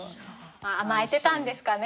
甘えてたんですかね